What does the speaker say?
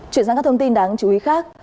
chuyển sang các thông tin đáng chú ý khác